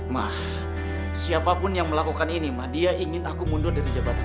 mah siapapun yang melakukan ini mah dia ingin aku mundur dari jabatan